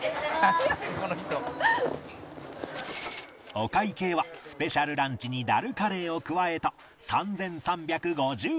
お会計はスペシャルランチにダルカレーを加えた３３５０円